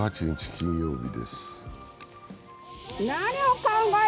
金曜日です。